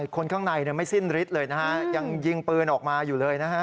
คนข้างในไม่สิ้นฤทธิ์เลยนะฮะยังยิงปืนออกมาอยู่เลยนะฮะ